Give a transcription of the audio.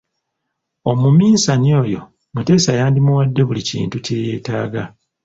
Omuminsani oyo, Muteesa yandimuwadde buli kintu kye yeetaaga.